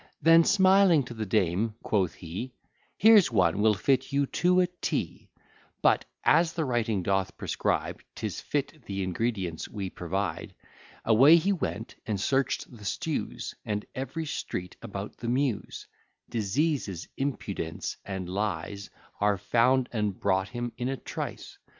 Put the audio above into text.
Then, smiling, to the dame quoth he, Here's one will fit you to a T. But, as the writing doth prescribe, 'Tis fit the ingredients we provide. Away he went, and search'd the stews, And every street about the Mews; Diseases, impudence, and lies, Are found and brought him in a trice.